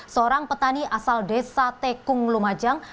seorang petani asal desa tekung lumajang